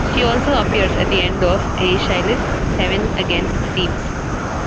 She also appears at the end of Aeschylus' "Seven Against Thebes".